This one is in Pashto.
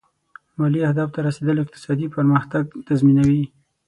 مالي اهدافو ته رسېدل اقتصادي پرمختګ تضمینوي.